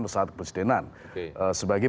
pesawat kepresidenan sebagai